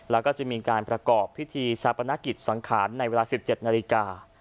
แล้วก็จะมีการประกอบพิธีชาติประนักกิจสังขารในเวลาสิบเจ็ดนาฬิกา